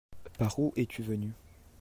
Par où es-tu venu ?